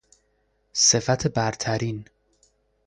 صفت برترین